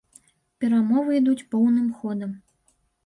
Перамовы ідуць поўным ходам.